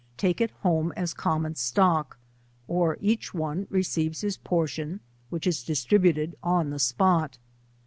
take it iiome as commoa stock, or each one receives his portion, which is distributed on the spot.